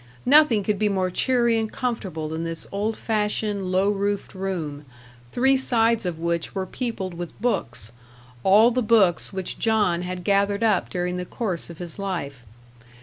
Nothing could be more cheery and comfortable than this old fashioned, low roofed room, three sides of which were peopled with books all the books which John had gathered up during the course of his life.